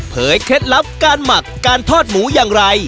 เคล็ดลับการหมักการทอดหมูอย่างไร